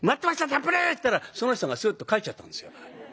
たっぷり！」って言ったらその人がスーっと帰っちゃったんですよ。